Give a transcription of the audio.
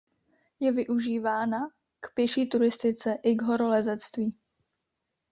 Je využívána k pěší turistice i k horolezectví.